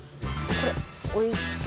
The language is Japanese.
これ置いて。